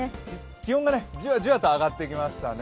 気温がじわじわと上がってきましたね。